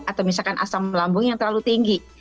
atau misalkan asam lambung yang terlalu tinggi